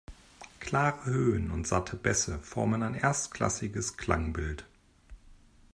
Klare Höhen und satte Bässe formen ein erstklassiges Klangbild.